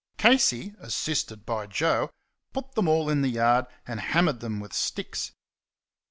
Casey, assisted by Joe, put them all in the yard, and hammered them with sticks.